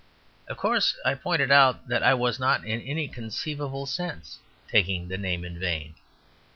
Of course, I pointed out that I was not in any conceivable sense taking the name in vain.